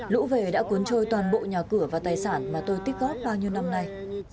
lũ về đã cuốn trôi toàn bộ nhà cửa và tài sản mà tôi tích góp bao nhiêu năm nay